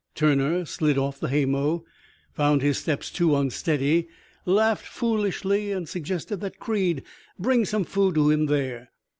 Turner slid off the haymow, found his steps too unsteady, laughed foolishly, and suggested that Creed bring some food to him there.